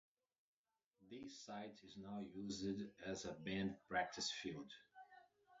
The site is now used as a band practice field.